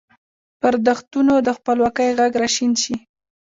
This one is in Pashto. پر دښتونو د خپلواکۍ ږغ را شین شي